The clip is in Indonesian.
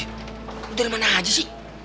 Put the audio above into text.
itu dari mana aja sih